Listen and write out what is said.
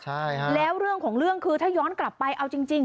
ใช่ฮะแล้วเรื่องของเรื่องคือถ้าย้อนกลับไปเอาจริง